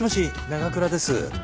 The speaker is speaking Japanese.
長倉です。